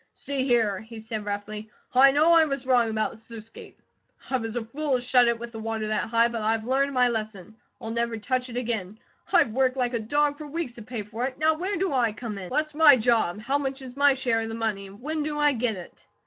"See here!" he said roughly. "I know I was wrong about the sluice gate. I was a fool to shut it with the water that high, but I've learned my lesson; I'll never touch it again; I've worked like a dog for weeks to pay for it; now where do I come in? What's my job, how much is my share of the money, and when do I get it?"